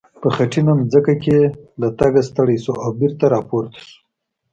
په خټینه ځمکه کې له تګه ستړی شو او بېرته را پورته شو.